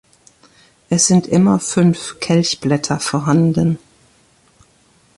Es sind immer fünf Kelchblätter vorhanden.